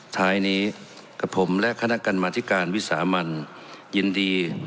ท้ายนี้กับผมและคณะกรรมธิการวิสามันยินดี